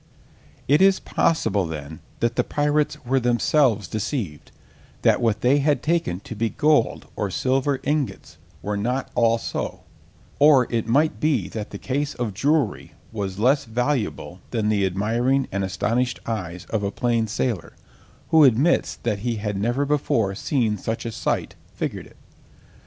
It is possible, then, that the pirates were themselves deceived, that what they had taken to be gold or silver ingots were not all so; or it might be that the case of jewellery was less valuable than the admiring and astonished eyes of a plain sailor, who admits that he had never before seen such a sight, figured it.